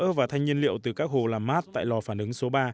các mảnh vỡ và thanh nhiên liệu từ các hồ làm mát tại lò phản ứng số ba